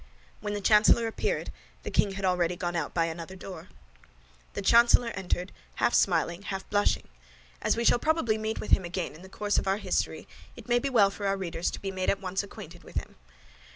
When the chancellor appeared, the king had already gone out by another door. The chancellor entered, half smiling, half blushing. As we shall probably meet with him again in the course of our history, it may be well for our readers to be made at once acquainted with him.